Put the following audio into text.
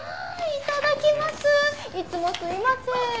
いつもすいません。